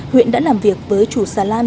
huyện đã làm việc với chủ xà lan